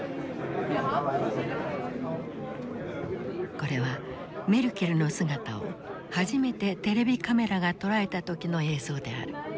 これはメルケルの姿を初めてテレビカメラが捉えた時の映像である。